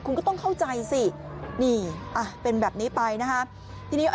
คุณก็ต้องเข้าใจสินี่เป็นแบบนี้ไป